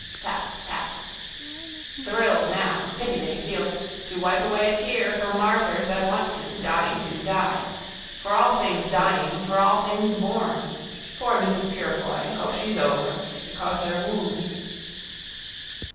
Tap. Tap. Thrill now. Pity they feel. To wipe away a tear for martyrs that want to, dying to, die. For all things dying, for all things born. Poor Mrs Purefoy. Hope she's over. Because their wombs.